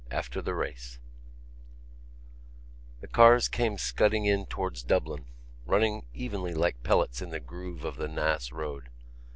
AFTER THE RACE The cars came scudding in towards Dublin, running evenly like pellets in the groove of the Naas Road.